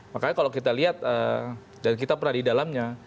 makanya kalau kita lihat dan kita pernah di dalamnya